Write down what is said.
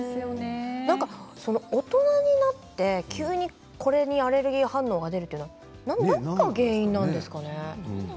大人になって急にこれにアレルギー反応が出るというのは何が原因なんでしょうかね？